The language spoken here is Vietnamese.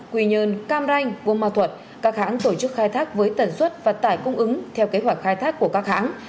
quỳ nhơn cam ranh vương ma thuật các hãng tổ chức khai thác với tần suất vật tải cung ứng theo kế hoạch khai thác của các hãng